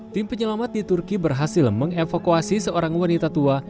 tim penyelamat di turki berhasil mengevakuasi seorang wanita tua